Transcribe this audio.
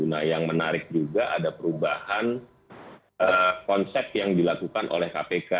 nah yang menarik juga ada perubahan konsep yang dilakukan oleh kpk